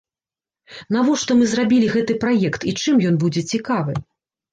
Навошта мы зрабілі гэты праект і чым ён будзе цікавы?